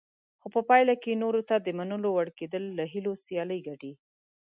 خو په پایله کې نورو ته د منلو وړ کېدل له هیلو سیالي ګټي.